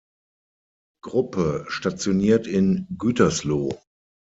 Gruppe stationiert in Gütersloh.